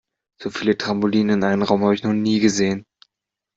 So viele Trampoline in einem Raum habe ich noch nie gesehen.